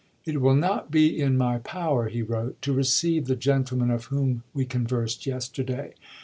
" It will not be in my power," he wrote, "to receive the gentlemen of whom we conversed yesterday.